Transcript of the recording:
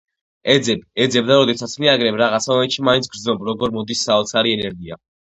ეძებ, ეძებ და როდესაც მიაგნებ, რაღაც მომენტში მაინც გრძნობ, როგორ მოდის საოცარი ენერგია.